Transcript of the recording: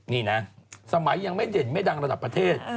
นี่นะสมัยยังไม่เด่นไม่ดังระดับประเทศ